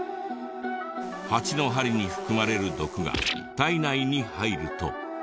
ハチの針に含まれる毒が体内に入ると。